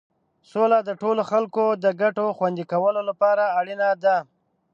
سوله د ټولو خلکو د ګټو خوندي کولو لپاره اړینه ده.